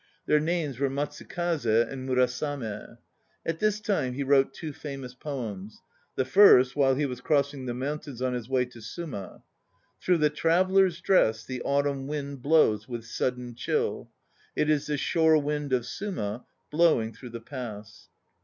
Their names were Matsukaze and Murasame. At this time he wrote two famous poems; the first, while he was crossing the mountains on his way to Suma: "Through the traveller's dress The autumn wind blows with sudden chill. It is the shore wind of Suma Blowing through the pass."